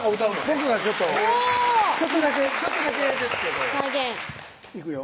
僕がちょっとちょっとだけですけどいくよ